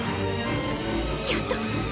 キャット。